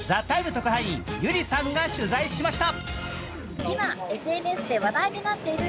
特派員ＹＵＲＩさんが取材しました。